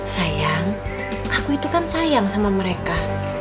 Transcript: sayang aku itu kan sayang sama mereka